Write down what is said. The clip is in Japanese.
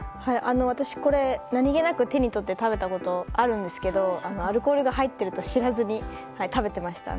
私、これを何気なく手に取って食べたことがあるんですけどアルコールが入っているとは知らずに食べてましたね。